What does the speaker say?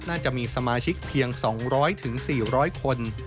น่าจะมีสมาชิกเพียง๒๐๐๔๐๐คน